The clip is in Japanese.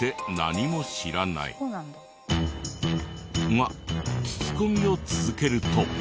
が聞き込みを続けると。